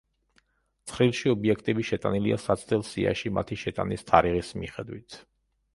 ცხრილში ობიექტები შეტანილია საცდელ სიაში მათი შეტანის თარიღის მიხედვით.